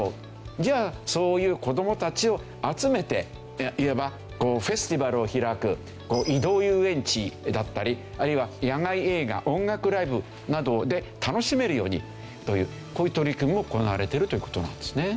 じゃあそういう子どもたちを集めていわばフェスティバルを開く移動遊園地だったりあるいは野外映画音楽ライブなどで楽しめるようにというこういう取り組みも行われてるという事なんですね。